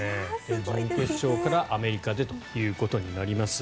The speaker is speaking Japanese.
準決勝からアメリカでということになります。